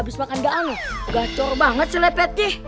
abis makan gaang gacor banget si lepetnya